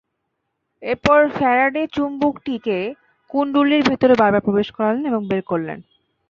এরপর ফ্যারাডে চুম্বকটিকে কুণ্ডলীর ভেতরে বারবার প্রবেশ করালেন এবং বের করলেন।